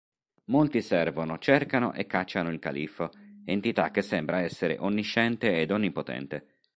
Molti servono, cercano e cacciano il Califfo, entità che sembra essere onnisciente ed onnipotente.